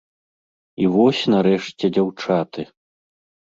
І вось нарэшце дзяўчаты!